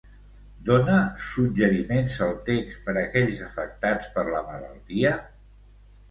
Dona suggeriments el text per aquells afectats per la malaltia?